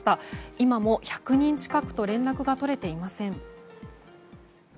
今も、１００人近くと連絡が取れていません。